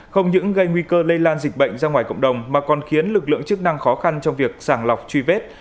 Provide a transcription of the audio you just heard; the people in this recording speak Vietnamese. không những gây nguy cơ lây lan dịch bệnh ra ngoài cộng đồng mà còn khiến lực lượng chức năng khó khăn trong việc sàng lọc truy vết